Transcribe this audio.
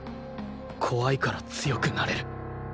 怖いから強くなれる。